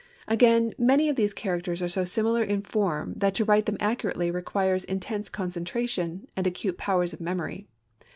Again, many of these characters are so similar in form that to write them accurately requires intense concentration, and acute powers of memory.